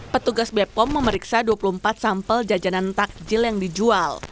petugas bepom memeriksa dua puluh empat sampel jajanan takjil yang dijual